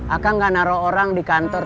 aku gak naruh orang di kantor